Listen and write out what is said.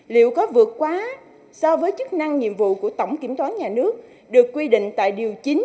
liệu có vượt quá so với chức năng nhiệm vụ của tổng kiểm toán nhà nước được quy định tại điều chín